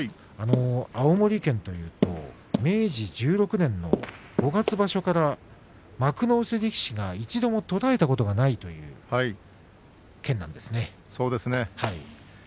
青森県というと明治１６年の五月場所から幕内力士が一度も途絶えたことがそうですね。